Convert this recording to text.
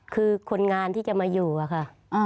คือคนงานที่จะมาอยู่อะค่ะ